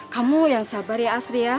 kamu yang sabar ya asri ya